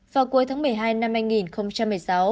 vào cuối tháng một mươi hai năm hai nghìn một mươi sáu